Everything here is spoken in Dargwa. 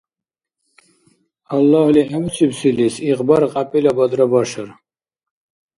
Аллагьли гӀевуцибсилис игъбар кьяпӀилабадра башар.